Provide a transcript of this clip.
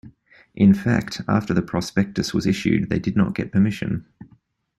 In fact, after the prospectus was issued, they did not get permission.